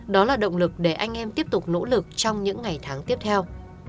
đó là động lực để anh em tiếp tục nỗ lực trong những ngày tháng tiếp theo